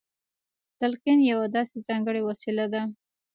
تلقين يوه داسې ځانګړې وسيله ده.